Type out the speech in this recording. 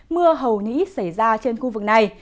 mưa hầu nỉ xảy ra trên khu vực này